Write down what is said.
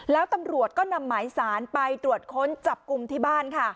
แล้วตำรวจก็นำหมายสารไปตรวจค้นจับกลุ่มที่บ้านค่ะ